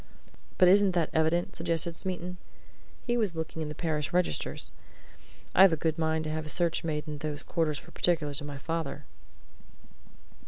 "But isn't that evident?" suggested Smeaton. "He was looking in the parish registers. I've a good mind to have a search made in those quarters for particulars of my father."